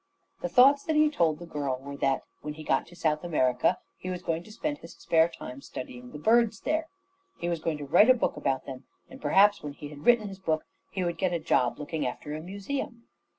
The thoughts that he told the girl were that, when he got to South America, he was going to spend his spare time studying the birds there. He was going to write a book about them, and perhaps, when he had written his book, he would get a job looking after a museum.